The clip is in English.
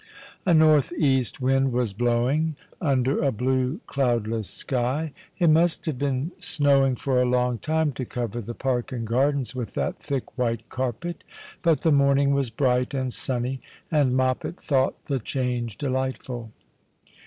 A north east wind was blowing under a blue, cloudless sky. It must have been snowing ^'^ C^^ The Christmas Hirelings. 163 for a long time to cover the jmrk and gardens with that thick white carpet; but the morning was bright and sunny, and 3Ioppet thought the change delightful.